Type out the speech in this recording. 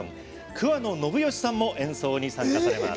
桑野信義さんも演奏に参加されます